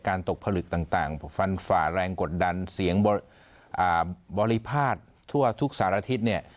ตกผลึกต่างฟันฝ่าแรงกดดันเสียงบริพาททั่วทุกสารทิศเนี่ย